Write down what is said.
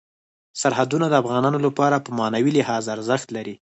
سرحدونه د افغانانو لپاره په معنوي لحاظ ارزښت لري.